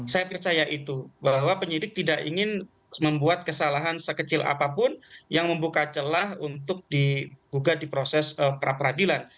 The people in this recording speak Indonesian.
saya percaya itu bahwa penyidik tidak ingin membuat kesalahan sekecil apapun yang membuka celah untuk digugat di proses pra peradilan